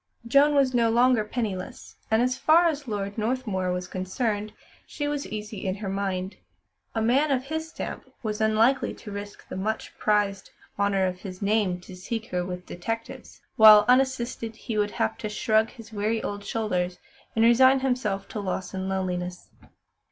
Joan was no longer penniless, and as far as Lord Northmuir was concerned, she was easy in her mind. A man of his stamp was unlikely to risk the much prized "honour of his name" to seek her with detectives; while, unassisted, he would have to shrug his weary old shoulders and resign himself to loss and loneliness.